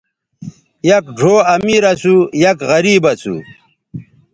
یک ڙھؤں امیر اسُو ،یک غریب اسُو